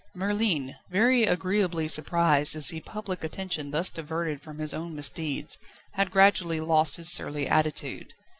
Merlin, very agreeably surprised to see public attention thus diverted from his own misdeeds, had gradually lost his surly attitude.